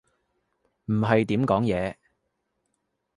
唔係點講嘢